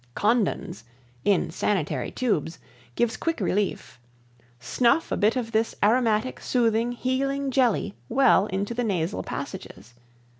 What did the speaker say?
Kondon's (in sanitary tubes) gives Quick relief. Snuff a bit of this aromatic, soothing, healing Jelly well into the nasal passages.